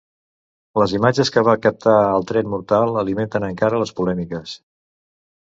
Les imatges que va captar del tret mortal alimenten encara les polèmiques.